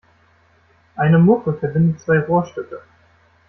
Eine Muffe verbindet zwei Rohrstücke.